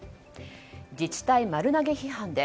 自治体丸投げ批判で？